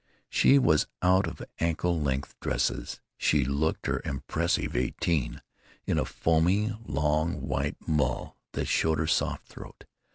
She was out of ankle length dresses! She looked her impressive eighteen, in a foaming long white mull that showed her soft throat.